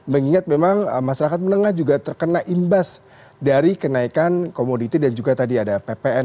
mengingat memang masyarakat menengah juga terkena imbas dari kenaikan komoditi dan juga tadi ada ppn